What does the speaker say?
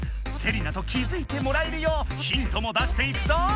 セリナと気づいてもらえるようヒントも出していくぞ！